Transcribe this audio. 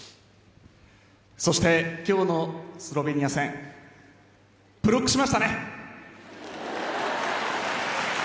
そして、今日のスロベニア戦ブロックしましたね。